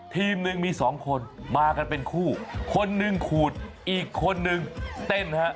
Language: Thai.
ทีมหนึ่งมีสองคนมากันเป็นคู่คนหนึ่งขูดอีกคนนึงเต้นฮะ